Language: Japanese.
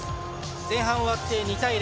前半終わって２対０。